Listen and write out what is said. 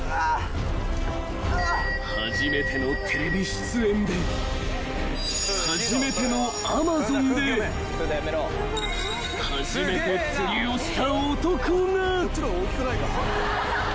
［初めてのテレビ出演で初めてのアマゾンで初めて釣りをした男が］